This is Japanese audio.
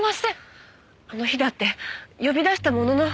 あの日だって呼び出したものの。